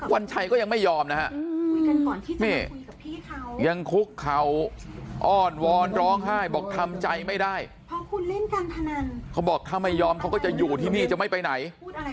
วันชัยก็ยังไม่ยอมนะฮะยังคุกเขาอ้อนวอนร้องไห้บอกทำใจไม่ได้เขาบอกถ้าไม่ยอมเขาก็จะอยู่ที่นี่จะไม่ไปไหน